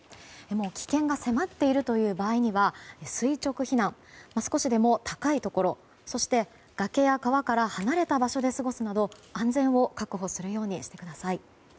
危険が迫っているという場合には垂直避難、少しでも高いところそして、崖や川から離れた場所で過ごすなど安全を確保するようにしてください。